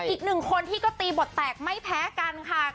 อีกหนึ่งคนที่ก็ตีบทแตกไม่แพ้กันค่ะ